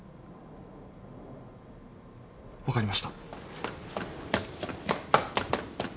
分かりました。